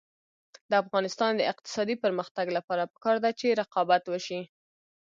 د افغانستان د اقتصادي پرمختګ لپاره پکار ده چې رقابت وشي.